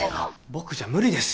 僕じゃ無理ですよ。